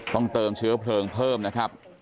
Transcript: ต้องเติมเชื้อเพลิงเพิ่มนะครับ